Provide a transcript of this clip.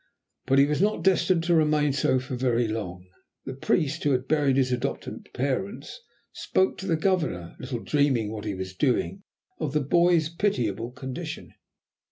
But he was not destined to remain so for very long; the priest, who had buried his adopted parents, spoke to the Governor, little dreaming what he was doing, of the boy's pitiable condition.